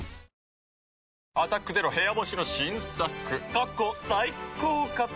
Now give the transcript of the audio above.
過去最高かと。